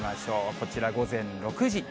こちら、午前６時。